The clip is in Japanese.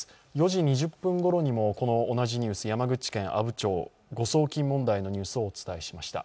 ４時２０分ごろにも同じニュース、阿武町の誤送金問題のニュースをお伝えしました。